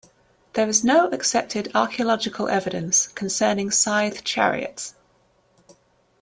There is no accepted archaeological evidence concerning scythed chariots.